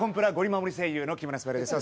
守り声優の木村昴です。